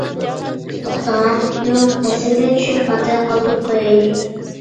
-توختاڭە، يۈرۈڭ رەسىمگە چۈشۈپ خاتىرە قالدۇرۇپ قويايلى.